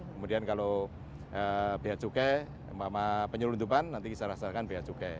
kemudian kalau biaya cukai sama penyelundupan nanti diserahkan biaya cukai